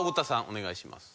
お願いします。